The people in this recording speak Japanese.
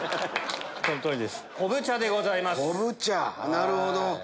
なるほど。